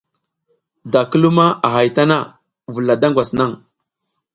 Da ki luma a hay a tana, vula da ngwas naƞ.